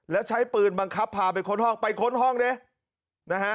แล้วใช้ปืนบังคับพาไปค้นห้องไปค้นห้องดินะฮะ